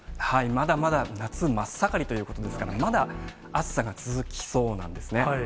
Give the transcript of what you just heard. まだまだ夏真っ盛りということですから、まだ暑さが続きそうなんですね。